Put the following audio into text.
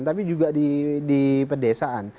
tapi juga di pedesaan